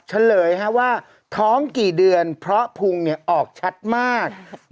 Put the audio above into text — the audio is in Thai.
เฉลยว่าท้องกี่เดือนเพราะพุงออกชัดมาก